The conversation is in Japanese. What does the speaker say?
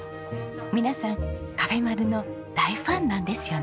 皆さんカフェまる。の大ファンなんですよね。